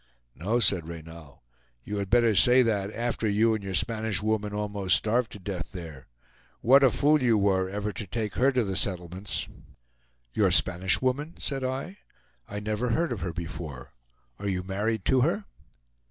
"No," said Reynal, "you had better say that after you and your Spanish woman almost starved to death there. What a fool you were ever to take her to the settlements." "Your Spanish woman?" said I; "I never heard of her before. Are you married to her?"